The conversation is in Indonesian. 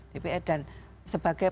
dpr dan sebagai